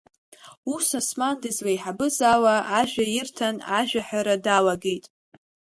Ус, Осман дызлеиҳабыз ала ажәа ирҭан, ажәа ҳәара далагеит.